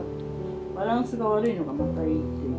バランスが悪いのがまたいいっていう。